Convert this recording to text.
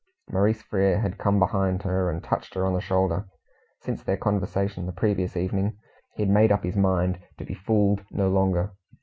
Maurice Frere had come behind her and touched her on the shoulder. Since their conversation the previous evening, he had made up his mind to be fooled no longer.